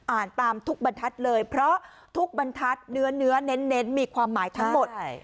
อ่านตามทุกบรรทัศน์เลยเพราะทุกบรรทัศน์เนื้อเน้นมีความหมายทั้งหมด